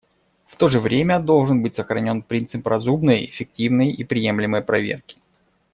В то же время, должен быть сохранен принцип разумной, эффективной и приемлемой проверки.